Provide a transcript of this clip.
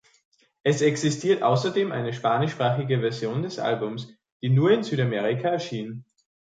Es existiert außerdem eine spanischsprachige Version des Albums, die nur in Südamerika erschien.